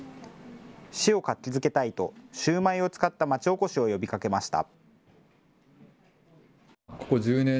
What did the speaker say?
市を活気づけたいとシューマイを使ったまちおこしを呼びかけました。